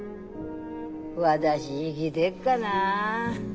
私生ぎでっかな。